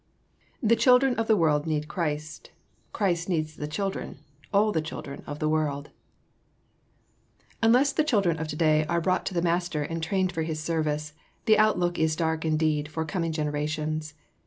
THE CHILDREN OF THE WORLD NEED CHRIST. CHRIST NEEDS THE CHILDREN, ALL THE CHILDREN OF THE WORLD. [Sidenote: Christ needs the children.] Unless the children of today are brought to the Master and trained for His service, the outlook is dark indeed for coming generations.